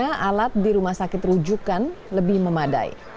keamanan yang terlihat di rumah sakit rujukan lebih memadai